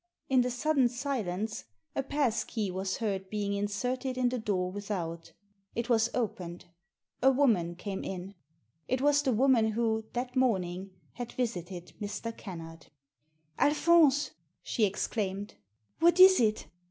In the sudden silence a pass key was heard being inserted in the door without It was opeped. A woman came in ; it was the woman who, that morning, had visited Mr. Kennard. " Alpbonse !" she exclaimed. " What is it